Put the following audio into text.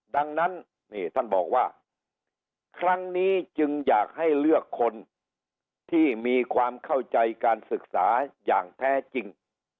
ดังนั้นนี่ท่านบอกว่าครั้งนี้จึงอยากให้เลือกคนที่มีความเข้าใจการศึกษาอย่างแท้จริง